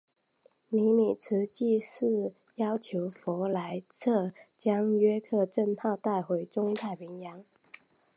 尼米兹即时要求弗莱彻将约克镇号带回中太平洋。